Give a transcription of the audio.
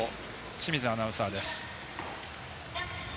清水アナウンサーです。